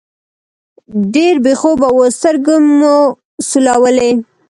ډېر بې خوبه وو، سترګې مو سولولې.